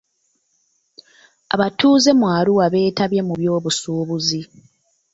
Abatuuze mu Arua beetabye mu by'obusuubuzi.